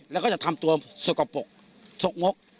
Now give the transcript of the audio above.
แล้วก็จะทำตัวสกปรกชกมก